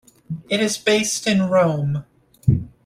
It is based in Rome.